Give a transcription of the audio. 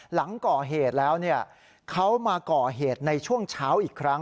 หลังก่อเหตุแล้วเขามาก่อเหตุในช่วงเช้าอีกครั้ง